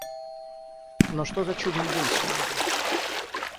Но что за чудный день сегодня!